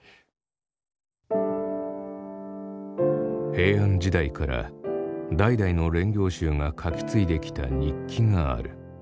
平安時代から代々の練行衆が書き継いできた日記がある。